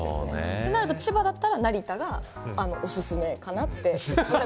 となると、千葉だったら成田がおすすめかなって。